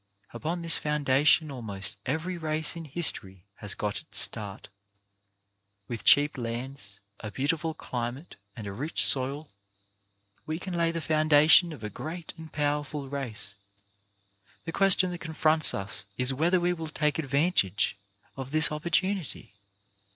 Upon this foundation almost every race in history has got its start. With cheap lands, a beautiful climate and a rich soil, we can lay the foundation of a great and powerful race. The question that con fronts us is whether we will take advantage of this opportunity